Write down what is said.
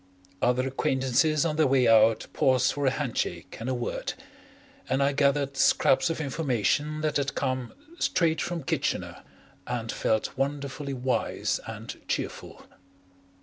Other acquaintances on their way out paused for a handshake and a word, and I gathered scraps of information that had come "straight from Kitchener," and felt wonderfully wise and cheerful.